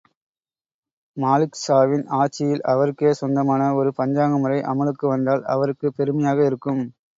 மாலிக் ஷாவின் ஆட்சியில் அவருக்கே சொந்தமான ஒரு பஞ்சாங்க முறை அமுலுக்கு வந்தால், அவருக்குப் பெருமையாக இருக்கும்.